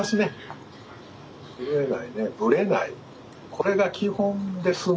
これが基本ですね